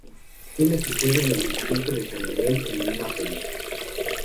Tiene su sede en el distrito de San Miguel, en Lima, Perú.